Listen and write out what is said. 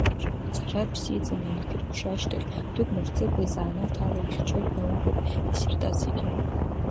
Иҵара бзиаӡаны ианхиркәша ашьҭахь, дук мыр-ҵыкәа изанааҭ ала ихьчоит анаукатә диссертациагьы.